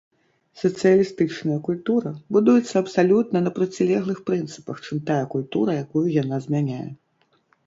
Сацыялістычная культура будуецца абсалютна на процілеглых прынцыпах, чым тая культура, якую яна змяняе.